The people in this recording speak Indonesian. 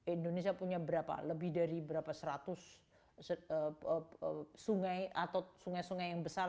indonesia punya berapa lebih dari berapa seratus sungai atau sungai sungai yang besar